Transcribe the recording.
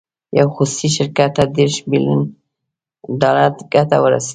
یو خصوصي شرکت ته دېرش بیلین ډالر ګټه ورسېده.